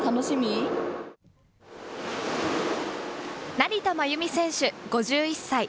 成田真由美選手５１歳。